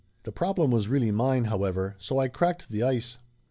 The problem was really mine, however, so I cracked the ice.